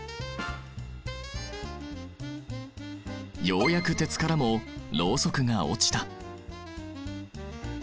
ようやく鉄からもロウソクが落ちた。